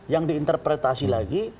yang diinterpretasi lagi